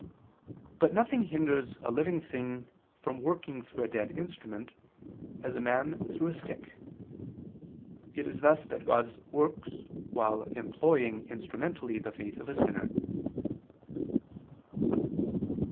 But nothing hinders a living thing from working through a dead instrument, as a man through a stick. It is thus that God works while employing instrumentally the faith of a sinner.